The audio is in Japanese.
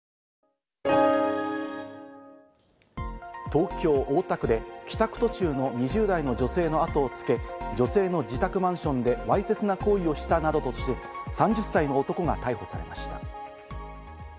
東京・大田区で帰宅途中の２０代の女性の後をつけ、女性の自宅マンションでわいせつな行為をしたなどとして、３０歳の男が逮捕されました。